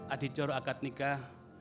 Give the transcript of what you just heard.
adik sakulah akad nikah